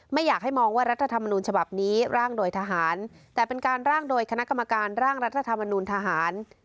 ไม่อยากให้มองว่ารัฐธรรมนูญฉบับนี้ร่างโดยทหารแต่เป็นการร่างโดยคณะกรรมการร่างรัฐธรรมนูลทหาร